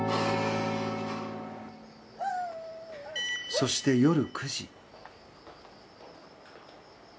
そして、夜９時。